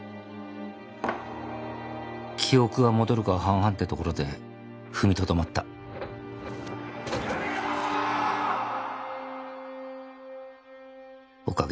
記憶が戻るか半々ってところで踏みとどまったやめろ！